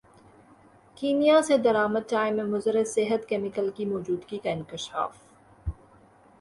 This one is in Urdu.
کینیا سے درامد چائے میں مضر صحت کیمیکل کی موجودگی کا انکشاف